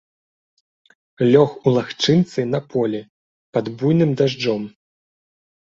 Лёг у лагчынцы на полі, пад буйным дажджом.